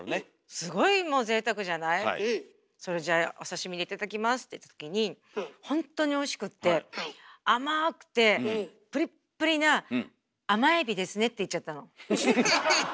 それじゃあお刺身で頂きますっていったときにほんとにおいしくってあまくてプリップリなって言っちゃったの。